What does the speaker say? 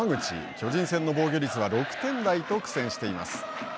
巨人戦の防御率は６点台と苦戦しています。